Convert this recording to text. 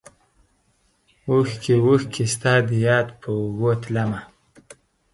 اوښکې ، اوښکې ستا دیاد په اوږو تلمه